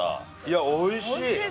いやおいしい。